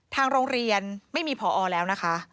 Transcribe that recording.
ทางโรงเรียนไม่มีผอแล้วนะคะ